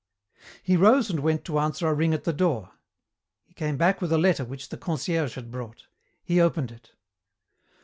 He rose and went to answer a ring at the door. He came back with a letter which the concierge had brought. He opened it.